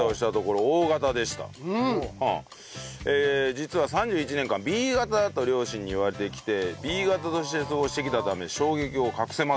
実は３１年間Ｂ型だと両親に言われてきてＢ型として過ごしてきたため衝撃を隠せません。